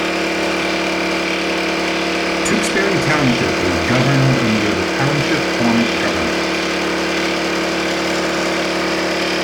Tewksbury Township is governed under the Township form of government.